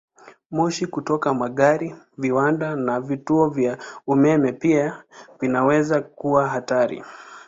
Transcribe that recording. Moshi kutoka magari, viwanda, na vituo vya umeme pia vinaweza kuwa hatari.